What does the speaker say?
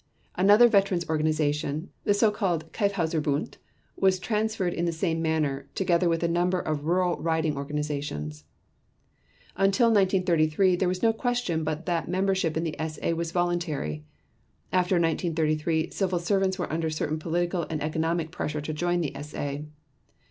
Another veterans' organization, the so called Kyffhauserbund, was transferred in the same manner, together with a number of rural riding organizations. Until 1933, there is no question but that membership in the SA was voluntary. After 1933 civil servants were under certain political and economic pressure to join the SA.